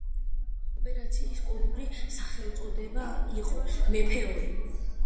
ოპერაციის კოდური სახელწოდება იყო „მეფე ორი“.